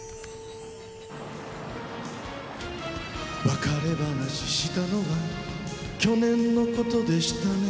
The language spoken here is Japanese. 「別れ話したのは去年のことでしたね」